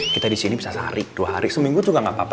kita di sini bisa sehari dua hari seminggu juga gak apa apa